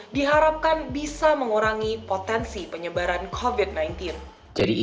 diharapkan bisa mengurangi potensi penyebaran covid sembilan belas